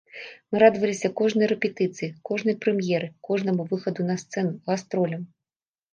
Мы радаваліся кожнай рэпетыцыі, кожнай прэм'еры, кожнаму выхаду на сцэну, гастролям.